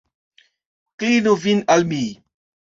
Klinu vin al mi!